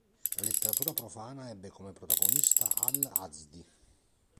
La letteratura profana ebbe come protagonista Al-azdi.